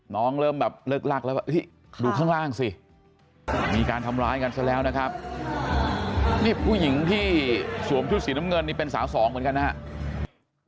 เริ่มแบบเลิกลักแล้วดูข้างล่างสิมีการทำร้ายกันซะแล้วนะครับนี่ผู้หญิงที่สวมชุดสีน้ำเงินนี่เป็นสาวสองเหมือนกันนะครับ